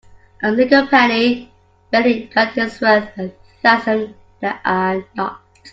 A single penny fairly got is worth a thousand that are not.